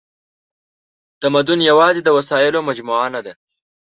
تمدن یواځې د وسایلو مجموعه نهده.